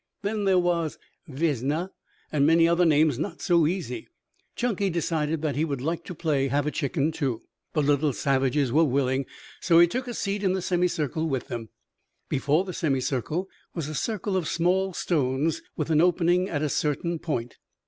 Then there was Vesna and many other names not so easy. Chunky decided that he would like to play "Have a chicken," too. The little savages were willing, so he took a seat in the semicircle with them. Before the semicircle was a circle of small stones, with an opening at a certain point.